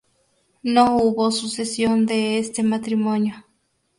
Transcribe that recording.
No hubo sucesión de de este matrimonio.